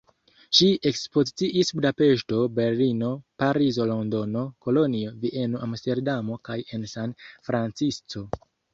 Li ekspoziciis Budapeŝto, Berlino, Parizo, Londono, Kolonjo, Vieno, Amsterdamo kaj en San Francisco.